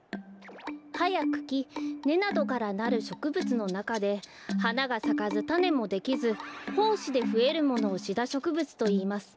はやくきねなどからなるしょくぶつのなかではながさかずたねもできずほうしでふえるものをシダしょくぶつといいます。